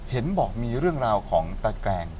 เห็นบอกมีเรื่องราวของตะแกรง